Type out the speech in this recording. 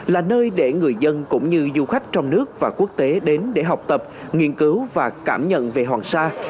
là nơi để người dân cũng như du khách trong nước và quốc tế đến để học tập nghiên cứu và cảm nhận về hoàng sa